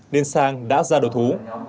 nên sang đã ra đổ thú